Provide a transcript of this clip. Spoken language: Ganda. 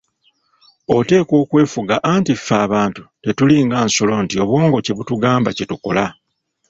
Oteekwa okwefuga anti ffe abantu tetulinga nsolo nti obwongo kyebutugamba kye tukola.